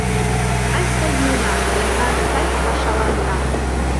Айста йӱына, мемнан сай пашаланна!